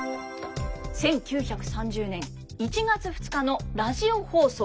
１９３０年１月２日のラジオ放送。